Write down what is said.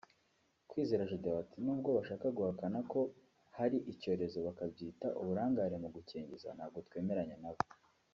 Kwizera Gedeon ati” Nubwo bashaka guhakana ko hari icyorezo bakabyita uburangare mu gukingiza ntabwo twemeranya na bo